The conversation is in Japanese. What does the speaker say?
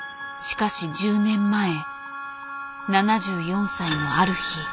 しかし１０年前７４歳のある日。